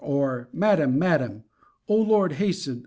or Madam! Madam! O Lord, hasten!